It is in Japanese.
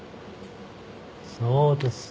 そうです。